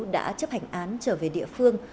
đã chấp hành án trở về địa phương